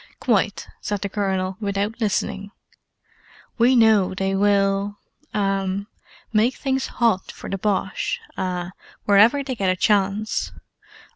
"Quite," said the Colonel, without listening. "We know they will—ah—make things hot for the Boche—ah—whenever they get a chance.